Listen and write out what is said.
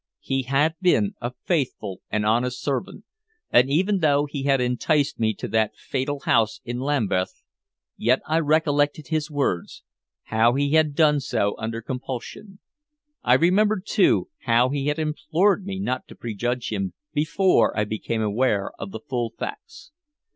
He had been a faithful and honest servant, and even though he had enticed me to that fatal house in Lambeth, yet I recollected his words, how he had done so under compulsion. I remembered, too, how he had implored me not to prejudge him before I became aware of the full facts.